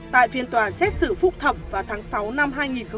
tại phiên tòa xét xử phúc thẩm vào tháng sáu năm hai nghìn một mươi chín